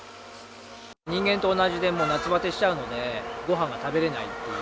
人間と同じで、もう夏バテしちゃうので、ごはんが食べられないという。